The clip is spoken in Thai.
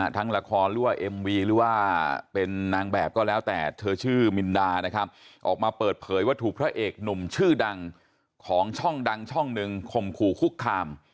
ทั้งละครหรือว่าเอ็มวีหรือว่าเป็นนางแบบก็แล้วแต่เธอชื่อมินดานะครับออกมาเปิดเผยว่าถูกพระเอกหนุ่มชื่อดังของช่องดังช่องหนึ่งข่มขู่คุกคาม